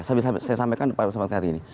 saya sampaikan pada saat hari ini